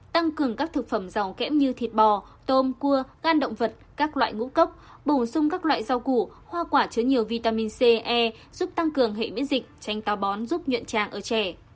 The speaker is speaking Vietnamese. tăng cường các thực phẩm giàu kém như thịt bò tôm cua gan động vật các loại ngũ cốc bổ sung các loại rau củ hoa quả chứa nhiều vitamin c e giúp tăng cường hệ miễn dịch tranh to bón giúp nhuận tràng ở trẻ